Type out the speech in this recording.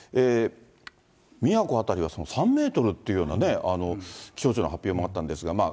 宮古辺りは３メートルっていうようなね、気象庁の発表もあったんですが。